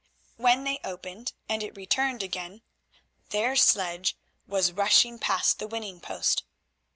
When they opened and it returned again their sledge was rushing past the winning post.